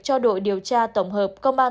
cho đội điều tra tổng hợp công an